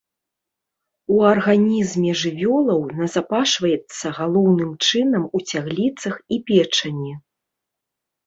У арганізме жывёлаў назапашваецца галоўным чынам у цягліцах і печані.